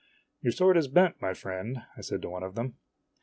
" Your sword is bent, my friend," I said to one of them.